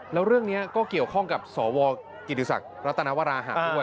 แล้วเรื่องนี้ก็เกี่ยวข้องกับสวกิติศักดิ์รัตนวราหะด้วย